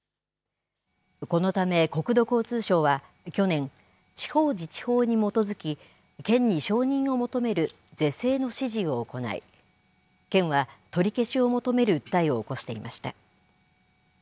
このため国土交通省は去年、地方自治法に基づき県に承認を求める是正の指示を行い、県は取り消しを求める訴えを起こしていました。